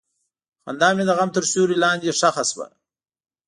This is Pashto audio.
خندا مې د غم تر سیوري لاندې ښخ شوه.